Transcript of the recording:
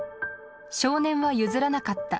少年は譲らなかった。